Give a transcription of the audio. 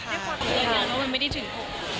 มันไม่ได้ถึงครับ